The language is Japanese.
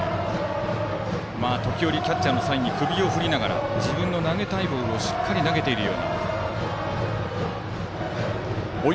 時折、キャッチャーのサインに首を振りながら自分の投げたいボールをしっかり投げています。